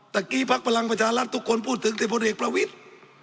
ตะกี้ภักดิ์พลังประชารัฐทุกคนพูดถึงเทพธิกประวิทย์